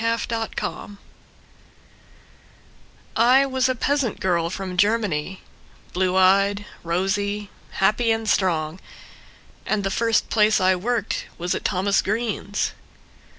Elsa Wertman I was a peasant girl from Germany, Blue eyed, rosy, happy and strong. And the first place I worked was at Thomas Greene's.